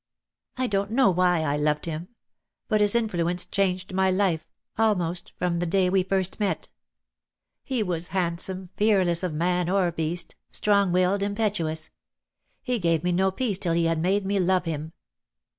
"I don't know why I loved him; but his in fluence changed my life, almost from the day we 40 DEAD LOVE HAS CHAINS. first met. He was handsome, fearless of man or beast, strong willed, impetuous. He gave me no peace till he had made me love him.